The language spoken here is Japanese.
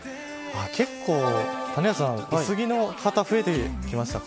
結構、薄着の方増えてきましたか。